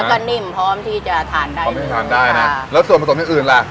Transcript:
แล้วก็นิ่มพร้อมที่จะทานได้พร้อมที่จะทานได้นะแล้วส่วนผสมอย่างอื่นล่ะ